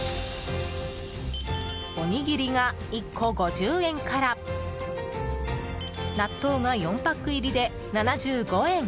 おにぎりが１個５０円から納豆が４パック入りで７５円。